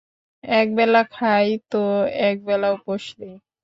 এক বেলা খাই তো এক বেলা উপোস দেই।